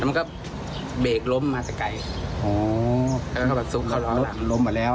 อ๋อเราเลี้ยวเข้าไปแล้ว